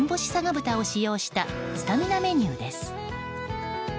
豚を使用したスタミナメニューです。